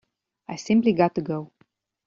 I’ve simply got to go.